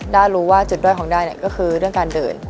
้ารู้ว่าจุดด้อยของด้าก็คือเรื่องการเดิน